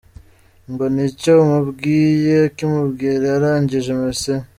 Ngo nicyo amubwiye, akimubwira yarangije mission.